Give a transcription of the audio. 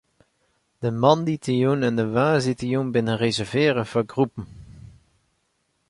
De moandeitejûn en woansdeitejûn binne reservearre foar groepen.